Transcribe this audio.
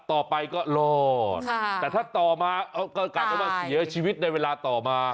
ต่อไปก็รอดแต่ถ้าต่อมาก็กลายเป็นว่าเสียชีวิตในเวลาต่อมา